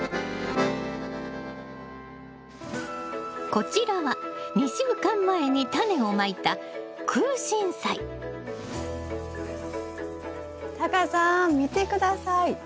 こちらは２週間前にタネをまいたタカさん見て下さい。